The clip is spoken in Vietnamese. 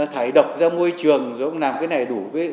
thải độc ra môi trường rồi ông làm cái này đủ